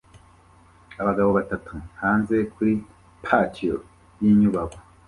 Abagabo batatu hanze kuri patio yinyubako